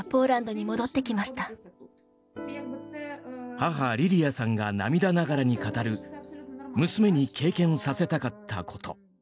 母リリヤさんが涙ながらに語る娘に経験させたかったこと。